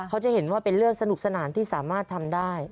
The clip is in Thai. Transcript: เขาจะเห็นว่าเป็นเรื่องสนุกสนานที่สามารถทำได้